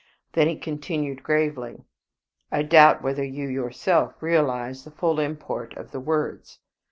Then he continued, gravely, "I doubt whether you yourself realize the full import of the words.